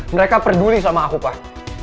mereka peduli sama aku pak